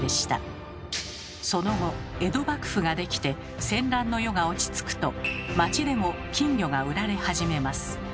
その後江戸幕府ができて戦乱の世が落ち着くと町でも金魚が売られ始めます。